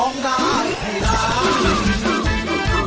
คือร้องได้ให้ร้อง